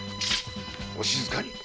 お静かに。